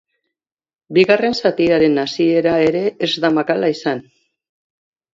Bigarren zatiaren hasiera ere ez da makala izan.